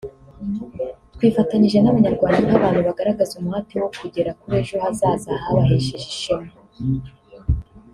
“Twifatanyije n’Abanyarwanda nk’abantu bagaragaza umuhate wo kugera kuri ejo hazaza habahesheje ishema